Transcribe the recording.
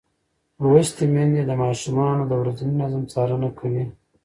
لوستې میندې د ماشومانو د ورځني نظم څارنه کوي.